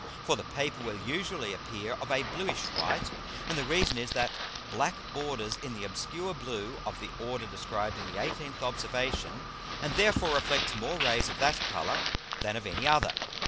For the Paper will usually appear of a bluish white; and the reason is, that black borders in the obscure blue of the order described in the 18th Observation, and therefore reflects more Rays of that Colour than of any other.